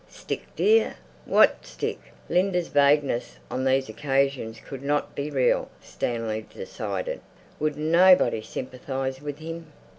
"Stick, dear? What stick?" Linda's vagueness on these occasions could not be real, Stanley decided. Would nobody sympathize with him?